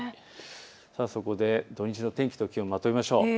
そこで土日の天気と気温まとめましょう。